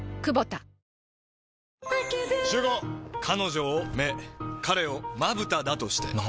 彼女を目彼をまぶただとして。